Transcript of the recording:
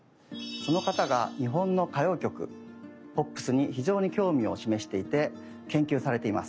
その方が日本の歌謡曲ポップスに非常に興味を示していて研究されています。